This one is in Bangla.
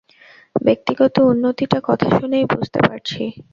ব্যক্তিগত উন্নতিটা কথা শুনেই বুঝতে পারছি।